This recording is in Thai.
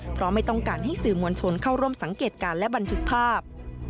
เพราะไม่ต้องการให้สื่อมวลชนเข้าร่วมสังเกตการณ์และบันทึกภาพ